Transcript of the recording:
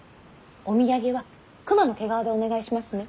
お土産は熊の毛皮でお願いしますね。